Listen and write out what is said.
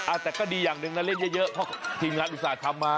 อ่ะแต่ก็ดีอย่างหนึ่งนะเล่นเยอะเพราะทีมงานอุตส่าห์ทำมา